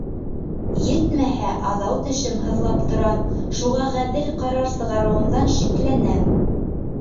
Етмәһә, аҙау тешем һыҙлап тора, шуга ғәҙел ҡарар сығарыуымдан шикләнәм.